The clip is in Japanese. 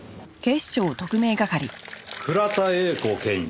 倉田映子検事。